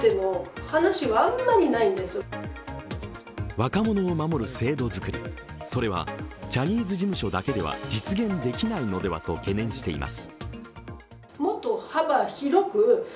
若者を守る制度作り、それはジャニーズ事務所だけでは実現できないのではと懸念しています。